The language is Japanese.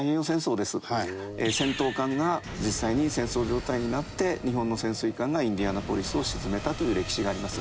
戦闘艦が実際に戦争状態になって日本の潜水艦がインディアナポリスを沈めたという歴史があります。